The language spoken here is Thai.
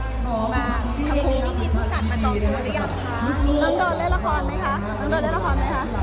มาทัพื้น